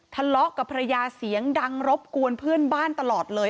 ทะเลาะกับภรรยาเสียงดังรบกวนเพื่อนบ้านตลอดเลย